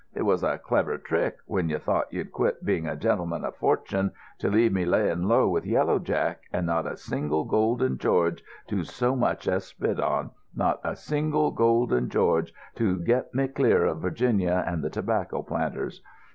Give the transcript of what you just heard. It was a clever trick, when you thought you'd quit being a gentleman of fortune, to leave me laying low with Yellow Jack, and not a single golden George to so much as spit on, not a single golden George to get me clear of Virginia and the tobacco planters.